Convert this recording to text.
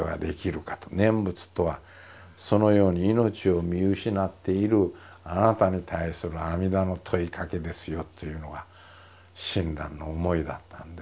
念仏とはそのように命を見失っているあなたに対する阿弥陀の問いかけですよっていうのが親鸞の思いだったんですね。